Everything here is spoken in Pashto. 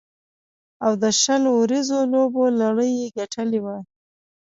او د شل اوریزو لوبو لړۍ یې ګټلې وه.